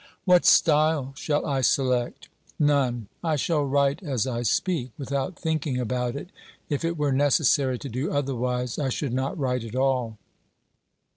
What style shall I select ? None. I shall write as I speak, without thinking about it ; if it were necessary to do otherwise, I should not write at all.